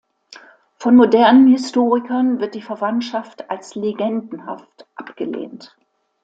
Von modernen Historikern wird die Verwandtschaft als legendenhaft abgelehnt.